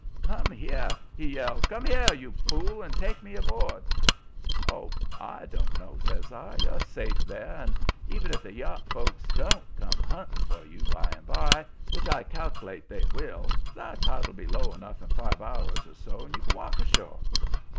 "'Come here!' he yells. 'Come here, you fool, and take me aboard.' "'Oh, I don't know,' says I. 'You're safe there, and, even if the yacht folks don't come hunting for you by and by which I cal'late they will the tide'll be low enough in five hours or so, so's you can walk ashore.'